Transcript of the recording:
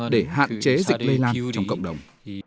để hạn chế dịch lây lan trong cộng đồng